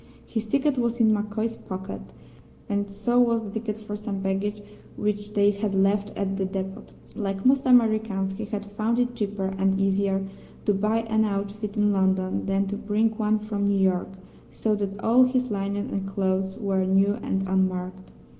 His ticket was in MacCoy's pocket, and so was the ticket for some baggage which they had left at the depot. Like most Americans, he had found it cheaper and easier to buy an outfit in London than to bring one from New York, so that all his linen and clothes were new and unmarked.